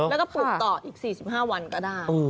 แล้วก็ปลูกต่ออีก๔๕วันก็ได้